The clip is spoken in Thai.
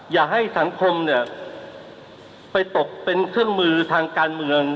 อย่าให้สังคมเนี่ยไปตกเป็นเครื่องมือทางการเมือง